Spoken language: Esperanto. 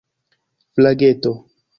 flageto